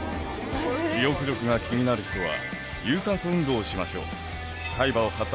記憶力が気になる人は有酸素運動をしましょう。